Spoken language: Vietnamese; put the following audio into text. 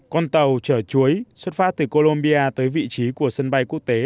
con tàu chở chuối xuất phát từ colombia tới vị trí của sân bay quốc tế